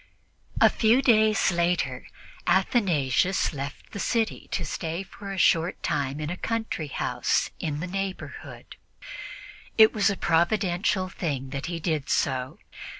A few days later, Athanasius left the city to stay for a short time in a country house in the neighborhood. It was a providential thing that he did so.